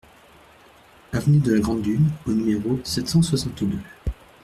Avenue de la Grande Dune au numéro sept cent soixante-deux